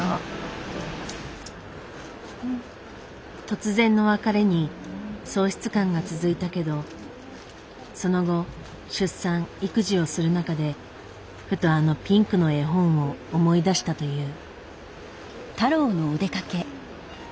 突然の別れに喪失感が続いたけどその後出産育児をする中でふとあのピンクの絵本を思い出したという。